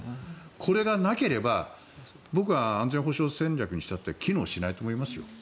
これがなければ僕は安全保障戦略にしたって機能しないと思いますよ。